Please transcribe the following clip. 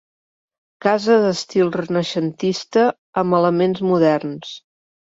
Casa d'estil renaixentista amb elements moderns.